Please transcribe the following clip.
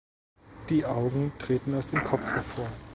Die Augen treten aus dem Kopf hervor.